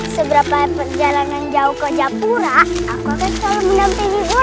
seberapa perjalanan jauh ke japura aku akan selalu menampingi gue